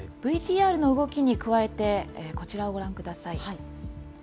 ＶＴＲの動きに加えて、こちらをご覧ください。